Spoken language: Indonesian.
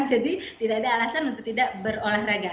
jadi tidak ada alasan untuk tidak berolahraga